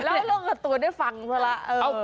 แล้วเราคิดตัวนั่นฟังเท่าละ